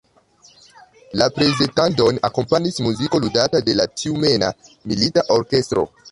La prezentadon akompanis muziko ludata de la tjumena milita orkestro.